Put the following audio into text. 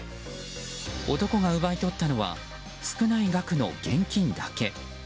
男が奪い取ったのは少ない額の現金だけ。